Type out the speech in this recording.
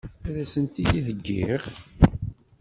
Ad as-tent-id-heggiɣ?